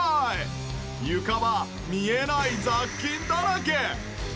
床は見えない雑菌だらけ。